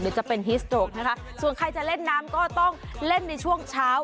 จะเป็นฮิสโตรกนะคะส่วนใครจะเล่นน้ำก็ต้องเล่นในช่วงเช้า